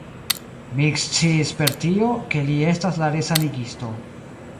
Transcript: Mi eksciis per tio, ke li estas la resanigisto.